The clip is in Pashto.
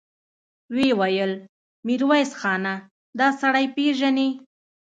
ويې ويل: ميرويس خانه! دآسړی پېژنې؟